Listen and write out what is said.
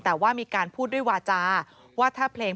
แต่ว่ามีการพูดด้วยวาจาว่าถ้าเพลง